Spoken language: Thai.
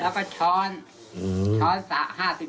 แล้วก็ช้อน๕๐คัน